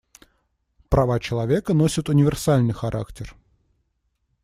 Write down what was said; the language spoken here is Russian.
Права человека носят универсальный характер.